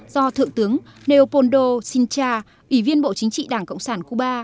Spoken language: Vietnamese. do thượng tướng neopoldo sincha ủy viên bộ chính trị đảng cộng sản cuba